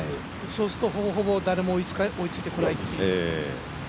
そうするとほぼほぼ誰も追いついてこないという。